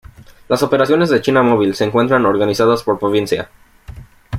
Las operaciones de China Mobile se encuentran organizadas por provincia.